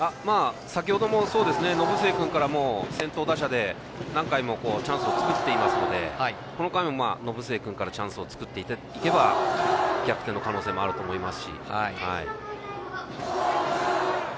先ほども、延末君から先頭打者で何回もチャンスを作っていますのでこの回、延末君からチャンスを作っていけば逆転の可能性もあると思いますし。